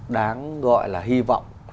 đáng gọi là hy vọng